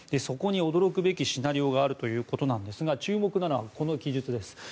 そこに驚くべきシナリオがあるということなんですが注目なのはこの記述です。